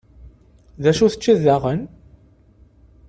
D acu teččiḍ daɣen?